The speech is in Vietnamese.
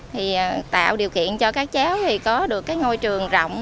thì tạo điều kiện cho các cháu thì có được cái ngôi trường rộng